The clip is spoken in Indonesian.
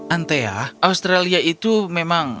andrea australia itu memang